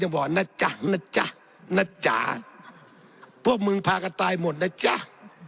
ก็ท่านจะเข้าใจ